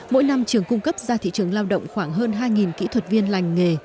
mỗi năm trường cung cấp ra thị trường lao động khoảng hơn hai kỹ thuật viên lành nghề